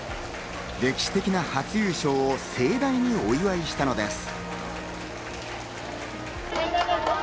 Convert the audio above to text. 歴史的な初優勝を盛大にお祝いしたのです。